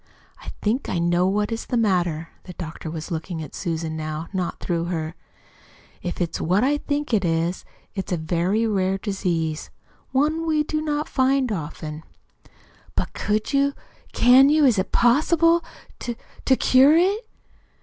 "I think I know what is the matter." The doctor was looking at Susan, now, not through her. "If it's what I think it is, it's a very rare disease, one we do not often find." "But could you can you is it possible to to cure it?"